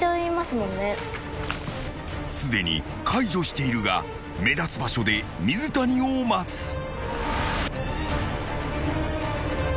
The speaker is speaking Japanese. ［すでに解除しているが目立つ場所で水谷を待つ］